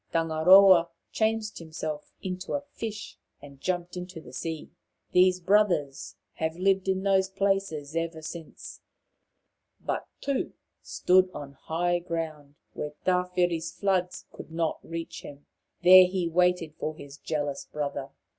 Tangaroa changed himself into a fish and jumped into the sea. These brothers have lived in those places ever since. But Tu stood on high land, where Tawhiri' s floods could not reach him. There he waited for his jealous brother.